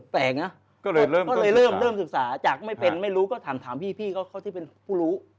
แปลกนะก็เลยเริ่มศึกษาจากไม่เป็นไม่รู้ก็ถามพี่เขาที่เป็นผู้รู้